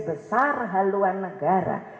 besar haluan negara